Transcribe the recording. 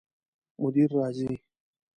مدیر راځي؟